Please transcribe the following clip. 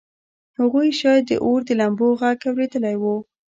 هغوی شاید د اور د لمبو غږ اورېدلی و